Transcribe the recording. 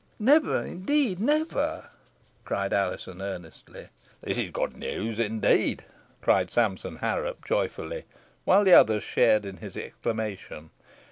"Never, indeed, never!" cried Alizon, earnestly. "This is good news, indeed," cried Sampson Harrop, joyfully, while the others joined in his exclamation.